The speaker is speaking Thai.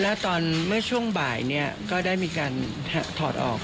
และเมื่อช่วงบ่ายนี้ก็ได้มีการถอดออก